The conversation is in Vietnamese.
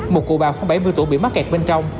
một cụ bào không bảy mươi tuổi bị mắc kẹt bên trong